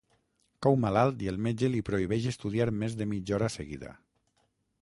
Cau malalt i el metge li prohibeix estudiar més de mitja hora seguida.